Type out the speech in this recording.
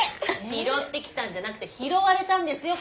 拾ってきたんじゃなくて拾われたんですよ！